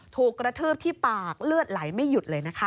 ถูกกระทืบที่ปากเลือดไหลไม่หยุดเลยนะคะ